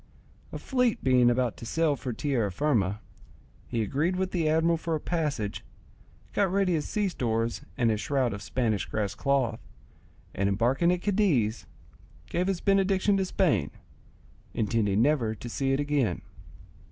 A fleet being about to sail for Tierrafirma, he agreed with the admiral for a passage, got ready his sea stores and his shroud of Spanish grass cloth, and embarking at Cadiz, gave his benediction to Spain, intending never to see it again.